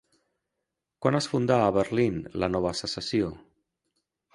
Quan es fundà a Berlín la Nova Secessió?